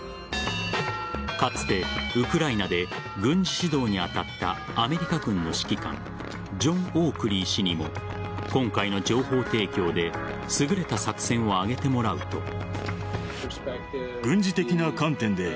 かつて、ウクライナで軍事指導に当たったアメリカ軍の指揮官ジョン・オークリー氏にも今回の情報提供で優れた作戦を挙げてもらうと。